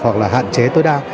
hoặc là hạn chế tối đa